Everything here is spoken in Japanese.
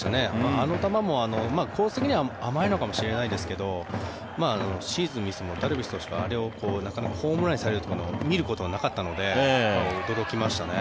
あの球もコース的には甘いのかもしれませんけどシーズンでダルビッシュ有があれをなかなかほーむんにされるのは見ることがなかったので驚きましたね。